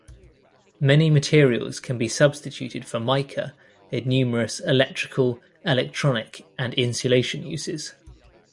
Many materials can be substituted for mica in numerous electrical, electronic, and insulation uses.